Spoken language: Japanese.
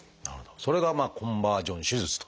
それがコンバージョン手術と。